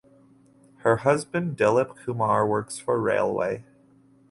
Her husband Dilip Kumar works for railway.